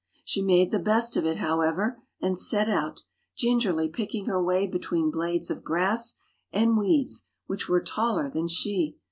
She made the best of it, however, and set out, gingerly picking her way between blades of grass and weeds which were taller than she.